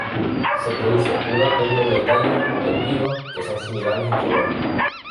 Se produce un alto número de tallos erguidos que son similares en color.